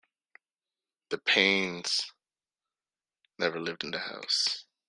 The Paines never lived in the house.